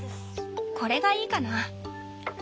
これがいいかな。